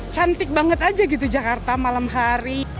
cantik banget aja gitu jakarta malam hari